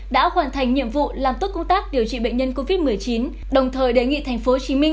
đã hoàn thành nhiệm vụ làm tốt công tác điều trị bệnh nhân covid một mươi chín đồng thời đề nghị tp hcm